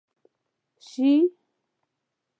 شي،